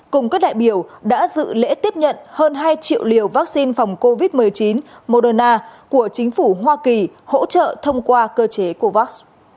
cùng các đại biểu đã dự lễ tiếp nhận hơn hai triệu liều vaccine phòng covid một mươi chín moderna của chính phủ hoa kỳ hỗ trợ thông qua cơ chế covax